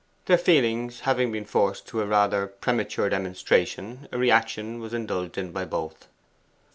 Their feelings having been forced to a rather premature demonstration, a reaction was indulged in by both.